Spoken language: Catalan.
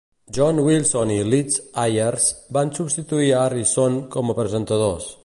John Wilson i Liz Ayers van substituir a Harrison com a presentadors.